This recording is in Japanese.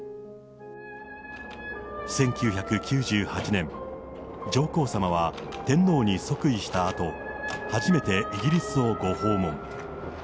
１９９８年、上皇さまは天皇に即位したあと、初めてイギリスをご訪問。